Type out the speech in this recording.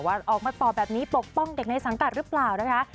ออกมาตอบแบบนี้ปกป้องเด็กในสังกัดหรือเปล่านะคะ